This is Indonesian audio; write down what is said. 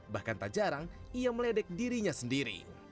bahkan tak jarang ia meledek dirinya sendiri